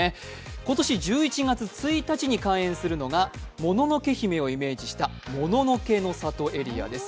今年１１月１日に開園するのが「もののけ姫」をイメージしたもののけの里エリアです。